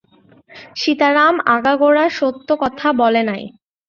সীতারাম আগাগােড়া সত্য কথা বলে নাই।